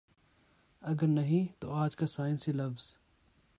اگر نہیں تو آج کا سائنسی لفظ